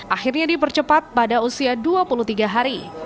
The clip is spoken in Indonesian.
akhirnya dipercepat pada usia dua puluh tiga hari